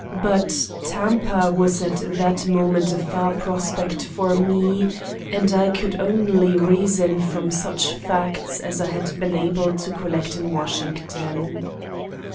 But Tampa was at that moment a far prospect for me and I could only reason from such facts as I had been able to collect in Washington.